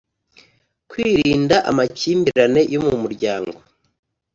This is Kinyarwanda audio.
Kwirinda amakimbirane yo mu muryango.